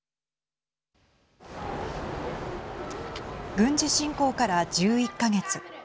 軍事侵攻から１１か月。